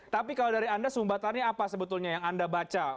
tapi kalau dari anda sumbatannya apa sebetulnya yang anda baca